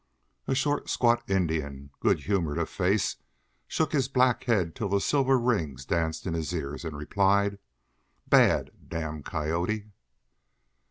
A short, squat Indian, good humored of face, shook his black head till the silver rings danced in his ears, and replied: "Bad damn coyotee!"